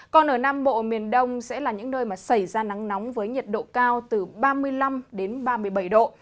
còn ở nam bộ miền đông sẽ là những nơi mà xảy ra nắng nóng với nhiệt độ cao từ ba mươi năm đến ba mươi bảy độ